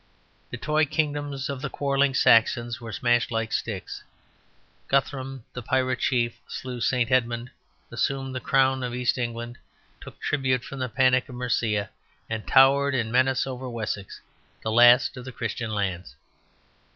The toy kingdoms of the quarrelling Saxons were smashed like sticks; Guthrum, the pirate chief, slew St. Edmund, assumed the crown of East England, took tribute from the panic of Mercia, and towered in menace over Wessex, the last of the Christian lands.